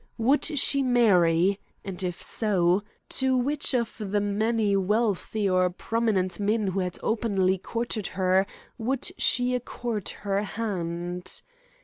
Would she marry, and, if so, to which of the many wealthy or prominent men who had openly courted her would she accord her hand?